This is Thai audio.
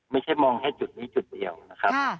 ไม่ใช่มองแค่จุดนี้จุดเดียวนะครับ